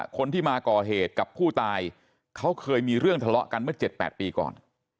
คนที่มาก่อเหตุกับผู้ตายเขาเคยมีเรื่องทะเลาะกันเมื่อ๗๘ปีก่อน